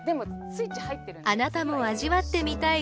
あなたも味わってみたい